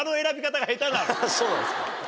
ハハハそうなんですか？